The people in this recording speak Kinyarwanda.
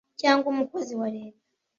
cyangwa umukozi wa leta